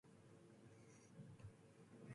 The broken bones were slow to mend.